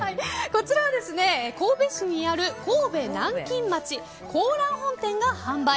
こちらは神戸市にある神戸南京町皇蘭本店が販売。